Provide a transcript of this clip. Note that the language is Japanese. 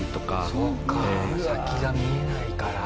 そっか先が見えないから。